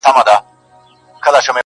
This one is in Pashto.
له خالي توپکه دوه کسه بېرېږي.